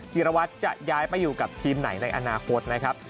จิรวัตรจะย้ายไปอยู่กับทีมไหนในอนาคตนะครับ